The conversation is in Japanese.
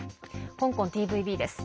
香港ＴＶＢです。